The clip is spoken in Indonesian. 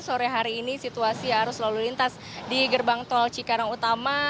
sore hari ini situasi arus lalu lintas di gerbang tol cikarang utama